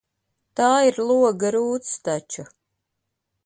Tā ir loga rūts taču.